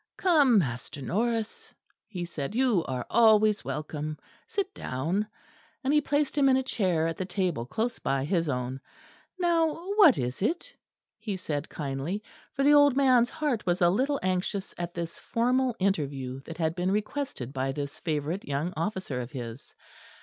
"Come, Master Norris," he said, "you are always welcome. Sit down;" and he placed him in a chair at the table close by his own. "Now, what is it?" he said kindly; for the old man's heart was a little anxious at this formal interview that had been requested by this favourite young officer of his.